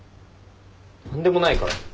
何でもないから。